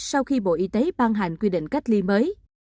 sau khi bộ y tế ban hành quy định cách ly mới